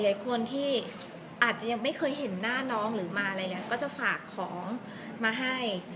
หลายคนที่อาจจะยังไม่เคยเห็นหน้าน้องหรือมาอะไรเนี่ยก็จะฝากของมาให้